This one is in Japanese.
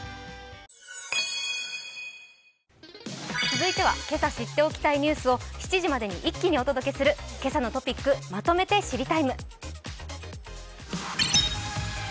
続いてはけさ知っておきたいニュースを７時までに一気にお届けする「けさのトピックまとめて知りＴＩＭＥ，」